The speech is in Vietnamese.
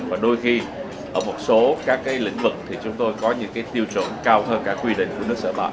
và đôi khi ở một số các lĩnh vực chúng tôi có những tiêu chuẩn cao hơn cả